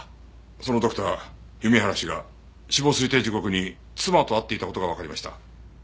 そのドクター弓原氏が死亡推定時刻に妻と会っていた事がわかりました。